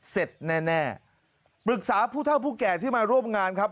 เสร็จแน่ปรึกษาผู้เท่าผู้แก่ที่มาร่วมงานครับ